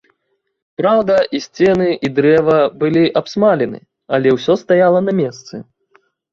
Праўда, і сцены, і дрэва былі абсмалены, але ўсё стаяла на месцы.